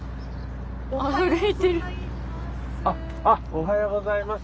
おはようございます。